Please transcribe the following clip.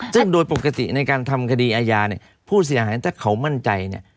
จึงโดยปกติในการทำคดีอาญาผู้เสียหายถ้าเขามั่นใจ